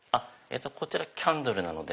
こちらキャンドルなので。